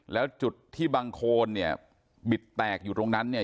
แล้วจุดที่บังโคนเนี่ยบิดแตกอยู่ตรงนั้นเนี่ย